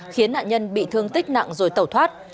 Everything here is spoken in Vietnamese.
khiến nạn nhân bị thương tích nặng rồi tẩu thoát